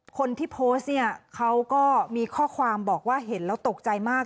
คนที่โพสต์เนี่ยเขาก็มีข้อความบอกว่าเห็นแล้วตกใจมาก